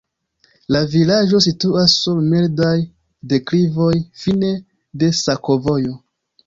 La vilaĝo situas sur mildaj deklivoj, fine de sakovojo.